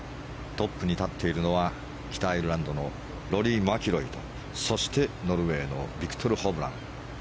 トップに立っているのは北アイルランドのローリー・マキロイとそして、ノルウェーのビクトル・ホブラン。